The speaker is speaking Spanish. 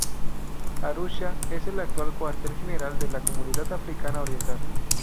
Arusha es el actual cuartel general de la Comunidad Africana Oriental.